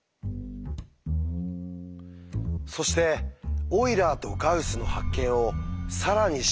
そしてオイラーとガウスの発見を更に進化させる男が登場します。